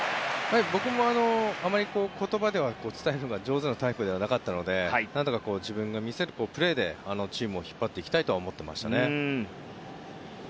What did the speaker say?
僕も言葉では伝えるのが上手ではないタイプだったので何とか自分のプレーでチームを引っ張っていきたいと思っていましたね。